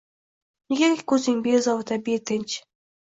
Nega ko’zing bezovta, betinch